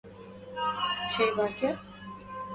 استعمل فاضل ماله لمغازلة ليلى.